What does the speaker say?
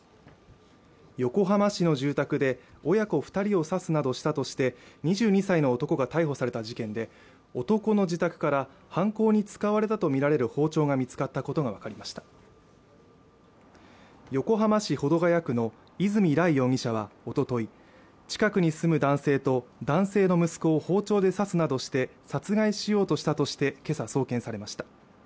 横浜市の住宅で親子二人を刺すなどしたとして２２歳の男が逮捕された事件で男の自宅から犯行に使われたとみられる包丁が見つかったことが分かりました横浜市保土ケ谷区の泉羅行容疑者はおととい近くに住む男性と男性の息子を包丁で刺すなどして殺害しようとしたとして今朝送検されました